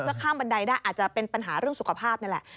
ข้ามบันไดได้อาจจะเป็นปัญหาเรื่องสุขภาพนี่แหละ